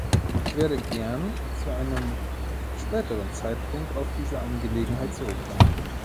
Ich werde gern zu einem späteren Zeitpunkt auf diese Angelegenheit zurückkommen.